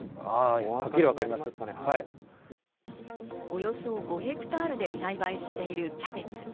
およそ５ヘクタールで栽培しているキャベツ。